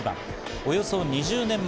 およそ２０年前